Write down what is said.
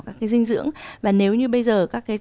các cái dinh dưỡng và nếu như bây giờ